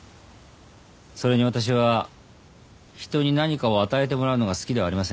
それに私は人に何かを与えてもらうのが好きではありません。